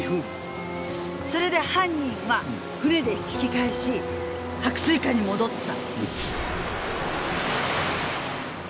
それで犯人は船で引き返し白水館に戻った。